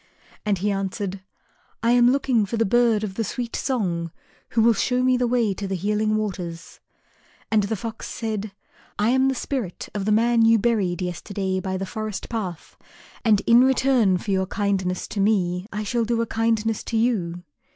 And he answered, "I am looking for the bird of the sweet song, who will show me the way to the Healing Waters." And the Fox said, "I am the spirit of the man you buried yesterday by the forest path, and in return for your kindness to me I shall do a kindness to you.